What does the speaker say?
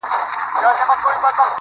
يو څو د ميني افسانې لوستې~